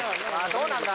どうなんだ？